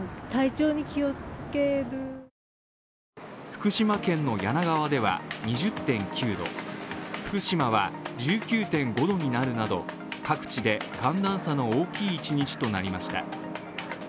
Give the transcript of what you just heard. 福島県の梁川では２０．９度、福島は１９．５度になるなど各地で寒暖差の大きい一日となりました。